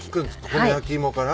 この焼き芋から？